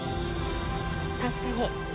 確かに。